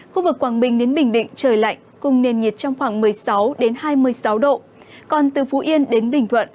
khu vực quảng bình đến bình định trời lạnh cùng nền nhiệt trong khoảng một mươi sáu đến hai mươi sáu độ